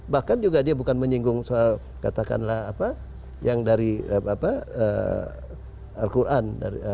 bahkan juga dia bukan menyinggung soal katakanlah apa yang dari al quran